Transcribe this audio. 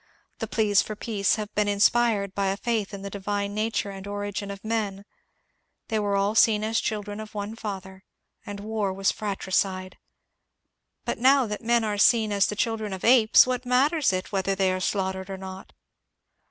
The pleas for peace have been inspired by a faith in the divine nature and origin of men ; they were all seen as children of one Father, and war was fratricide. But now that men are seen as the children of apes, what matters it whether they are slaughtered or not